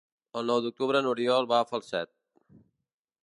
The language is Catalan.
El nou d'octubre n'Oriol va a Falset.